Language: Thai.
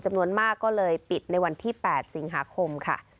จำนวนมากก็เลยปิดในวันที่๘สิงหาคมค่ะ